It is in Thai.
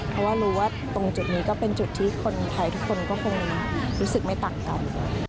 เพราะว่ารู้ว่าตรงจุดนี้ก็เป็นจุดที่คนไทยทุกคนก็คงรู้สึกไม่ต่างกัน